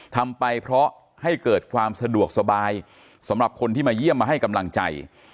ทำไปเพราะให้เกิดความสะดวกสบายสำหรับคนที่มาเยี่ยมมาให้กำลังใจ